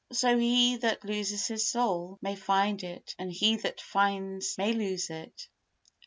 So he that loses his soul may find it, and he that finds may lose it.